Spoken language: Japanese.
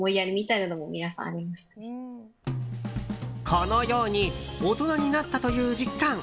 このように大人になったという実感